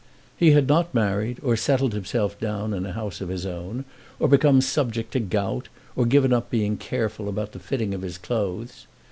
He had not married, or settled himself down in a house of his own, or become subject to gout, or given up being careful about the fitting of his clothes.